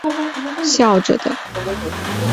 连入睡的表情都是笑着的